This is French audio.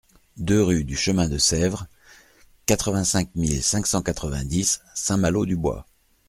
deux rue du Chemin de Sèvre, quatre-vingt-cinq mille cinq cent quatre-vingt-dix Saint-Malô-du-Bois